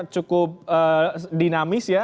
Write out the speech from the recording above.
cukup dinamis ya